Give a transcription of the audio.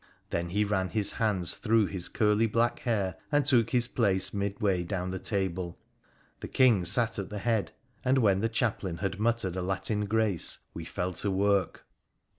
Then he ran his hands through his curly black hair, and took his place midway down the table ; the King sat at the head ; and when the chaplain had muttered a Latin grace we fell to work.